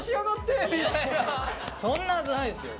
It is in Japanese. そんなはずないですよ。